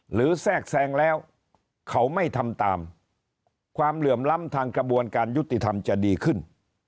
แทรกแทรงแล้วเขาไม่ทำตามความเหลื่อมล้ำทางกระบวนการยุติธรรมจะดีขึ้น